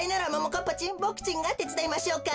かっぱちんボクちんがてつだいましょうか？